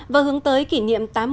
và hướng tới kỷ niệm